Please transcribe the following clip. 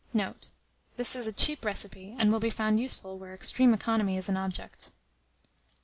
Note. This is a cheap recipe, and will be found useful where extreme economy is an object.